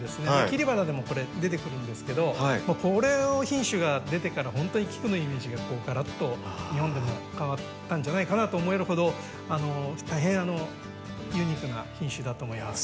切り花でもこれ出てくるんですけどこの品種が出てからほんとに菊のイメージががらっと日本でも変わったんじゃないかなと思えるほど大変ユニークな品種だと思います。